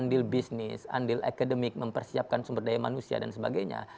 untuk peristiwa untuk bisnis untuk ekremis untuk menyediakan sumber daya manusia dan sebagainya